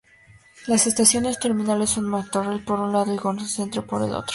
Las estaciones terminales son Martorell, por un lado, y Granollers Centre, por el otro.